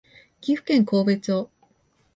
岐阜県神戸町